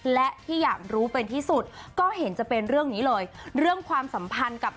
และที่อยากรู้เป็นที่สุดก็เห็นจะเป็นเรื่องนี้เลยเรื่องความสัมพันธ์กับ